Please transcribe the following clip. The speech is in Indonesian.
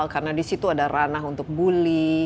karena di situ ada ranah untuk bully